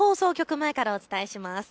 前からお伝えします。